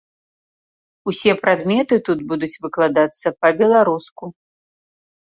Усе прадметы тут будуць выкладацца па-беларуску.